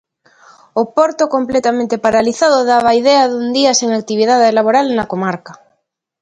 O porto completamente paralizado daba idea dun día sen actividade laboral na comarca.